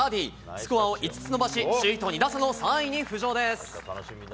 スコアを５つ伸ばし、首位と２打差の３位に浮上です。